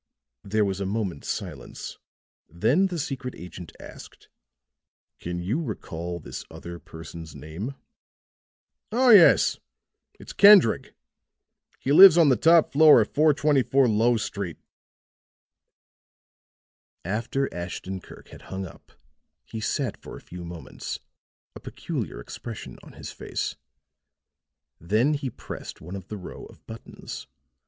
There was a moment's silence; then the secret agent asked: "Can you recall this other person's name?" "Oh, yes. It's Kendreg. He lives on the top floor of 424 Lowe Street." After Ashton Kirk had hung up he sat for a few moments, a peculiar expression on his face. Then he pressed one of the row of buttons.